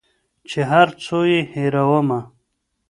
چي هر څو یې هېرومه